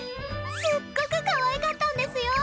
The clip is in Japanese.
すっごくかわいかったんですよ！